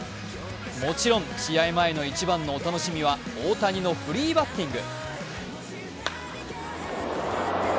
もちろん試合前の一番のお楽しみは大谷のフリーバッティング。